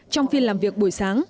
trong phiên làm việc buổi sáng